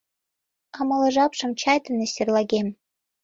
А моло жапшым чай дене серлагем.